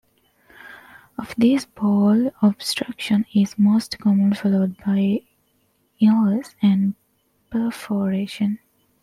Of these, bowel obstruction is most common, followed by ileus and perforation.